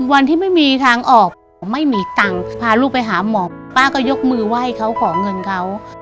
วันที่ไม่มีทางออกผมไม่มีตังค์พาลูกไปหาหมอป้าก็ยกมือไหว้เขาขอเงินเขา